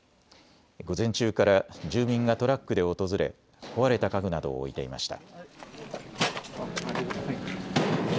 午前中から住民がトラックで訪れ壊れた家具などを置いていました。